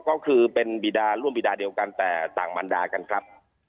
ก็คือเป็นบีดาร่วมบีดาเดียวกันแต่ต่างบรรดากันครับ